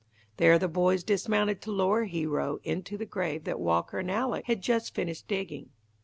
There the boys dismounted to lower Hero into the grave that Walker and Alec had just finished digging.